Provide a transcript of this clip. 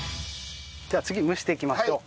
次蒸していきましょう。